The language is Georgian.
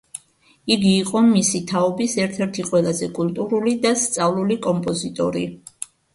იგი იყო მისი თაობის ერთ-ერთი ყველაზე კულტურული და სწავლული კომპოზიტორი.